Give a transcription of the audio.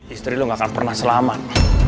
istri lu gak akan pernah selamat